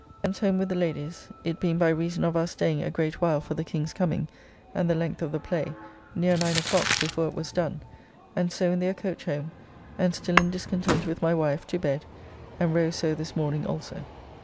Thence home with the ladies, it being by reason of our staying a great while for the King's coming, and the length of the play, near nine o'clock before it was done, and so in their coach home, and still in discontent with my wife, to bed, and rose so this morning also.